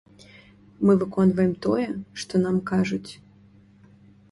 Мы выконваем тое, што нам кажуць.